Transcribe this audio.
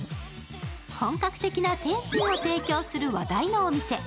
本格的な点心を提供する話題のお店。